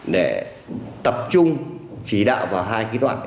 để tập trung chỉ đạo vào hai cái loại